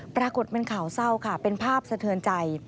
ปรากฏเป็นข่าวเศร้าค่ะเป็นภาพสะเทือนใจ